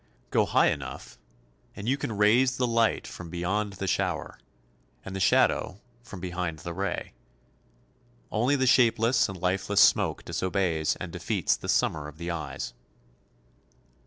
Go high enough, and you can raise the light from beyond the shower, and the shadow from behind the ray. Only the shapeless and lifeless smoke disobeys and defeats the summer of the eyes.